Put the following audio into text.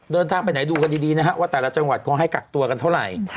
เดินทางไปไหนดูกันดีนะฮะว่าแต่ละจังหวัดเขาให้กักตัวกันเท่าไหร่